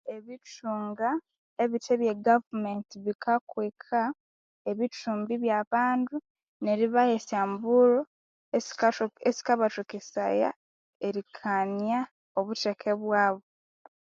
Ebithunga ebithe bye gavumenti bikakwika ebithumbi bya bandu neribaha esyambulhu esikathoka esikabathikesaya erikanya obutheke bwabo.